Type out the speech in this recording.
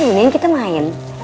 ini yang kita main